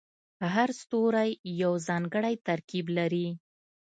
هر ستوری یو ځانګړی ترکیب لري.